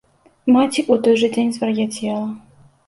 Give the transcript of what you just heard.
Маці ў той жа дзень звар'яцела.